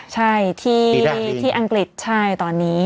ใช่ที่อังกฤษใช่ตอนนี้